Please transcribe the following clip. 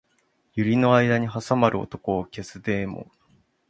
百合の間に挟まる男を消すデーモン